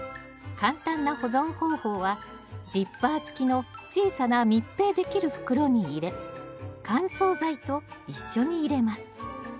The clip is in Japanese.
簡単な保存方法はジッパー付きの小さな密閉できる袋に入れ乾燥剤と一緒に入れます。